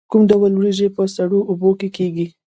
کوم ډول وریجې په سړو اوبو کې کیږي؟